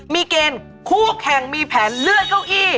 มีเกณฑ์คู่แข่งมีแผนเลื่อนเก้าอี้